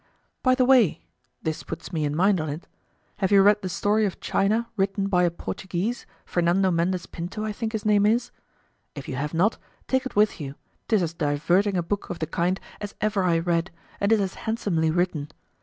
By the way (this puts me in mind on't), have you read the story of China written by a Portuguese, Fernando Mendez Pinto, I think his name is? If you have not, take it with you, 'tis as diverting a book of the kind as ever I read, and is as handsomely written.